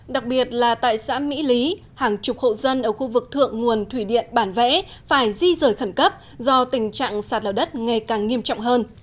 đặc biệt là tại xã mỹ lý hàng chục hộ dân ở khu vực thượng nguồn thủy điện bản vẽ phải di rời khẩn cấp do tình trạng sạt lở đất ngày càng nghiêm trọng hơn